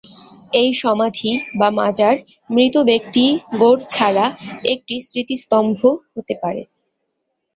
এই সমাধি বা মাজার মৃত ব্যক্তি গোর ছাড়া একটি স্মৃতিস্তম্ভ হতে পারে।